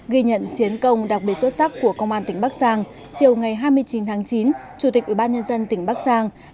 ghi nhận chiến công đặc biệt xuất sắc của công an tỉnh bắc giang chiều ngày hai mươi chín tháng chín